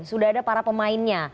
sudah ada para pemainnya